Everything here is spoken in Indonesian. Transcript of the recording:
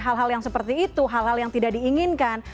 hal hal yang seperti itu hal hal yang tidak diinginkan